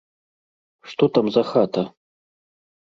Што там за хата?